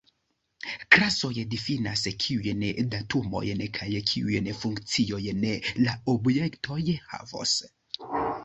Klasoj difinas kiujn datumojn kaj kiujn funkciojn la objektoj havos.